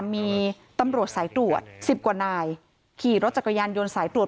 มีตำรวจสายตรวจ๑๐กว่านายขี่รถจักรยานยนต์สายตรวจ